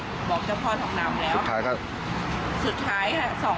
สุดท้าย๒วันเองค่ะพี่ไปตามหุ่นพี่